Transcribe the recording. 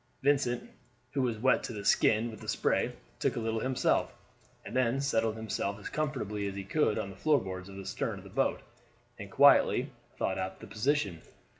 Vincent, who was wet to the skin with the spray, took a little himself, and then settled himself as comfortably as he could on the floor boards in the stern of the boat, and quietly thought out the position.